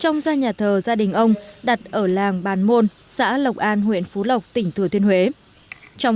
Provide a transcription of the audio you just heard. người dân ở quê nhà bàn môn xã lộc an huyện phú lộc tỉnh thừa thiên huế từ rất sớm